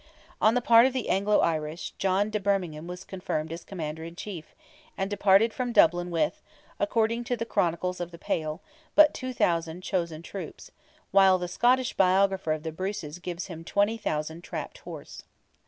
On the part of the Anglo Irish, John de Bermingham was confirmed as Commander in Chief, and departed from Dublin with, according to the chronicles of the Pale, but 2,000 chosen troops, while the Scottish biographer of the Bruces gives him "20,000 trapped horse."